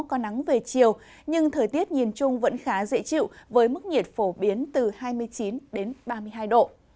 có nắng về chiều nhưng thời tiết nhìn chung vẫn khá dễ chịu với mức nhiệt phổ biến từ hai mươi chín đến ba mươi hai độ